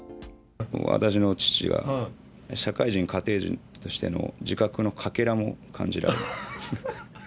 私の父が社会人、家庭人としての自覚のかけらも感じられない！